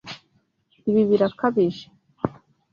Ibi birakabije!